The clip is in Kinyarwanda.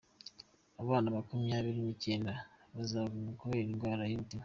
Abana Makumyabiri Nicyenda bazabagwa kubera indwara y’umutima